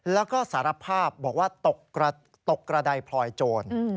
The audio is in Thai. แล้วก็สารภาพบอกว่าตกกระดายพลอยโจร